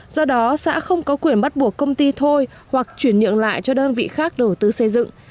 do đó xã không có quyền bắt buộc công ty thôi hoặc chuyển nhượng lại cho đơn vị khác đầu tư xây dựng